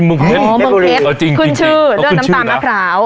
เมืองเพชรคุณชื่อด้วยน้ำตาลมะพร้าว